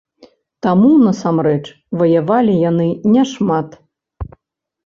Таму насамрэч ваявалі яны няшмат.